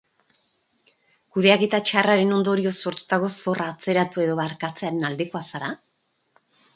Kudeaketa txarraren ondorioz sortutako zorra atzeratu edo barkatzearen aldekoa zara?